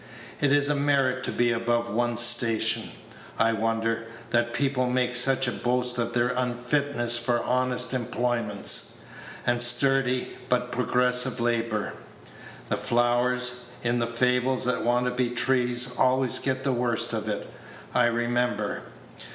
Is it a merit to be above one's station, I wonder, that people make such a boast of their unfitness for honest employments, and sturdy but progressive labor? The flowers, in the fables, that want to be trees, always get the worst of it, I remember.